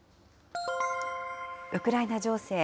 ウクライナ情勢。